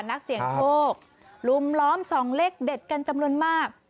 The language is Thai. นักเสี่ยงโชคลุมล้อมส่องเลขเด็ดกันจำนวนมาก